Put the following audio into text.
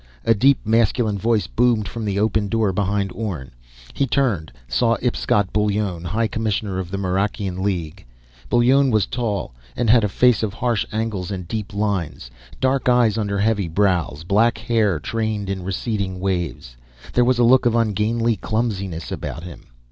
A deep masculine voice boomed from the open door behind Orne. He turned, saw Ipscott Bullone, High Commissioner of the Marakian League. Bullone was tall, had a face of harsh angles and deep lines, dark eyes under heavy brows, black hair trained in receding waves. There was a look of ungainly clumsiness about him.